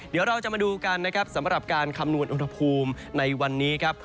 เดี๋ยวเราจะมาดูกันนะครับสำหรับการคำนวณอุณหภูมิในวันนี้ครับ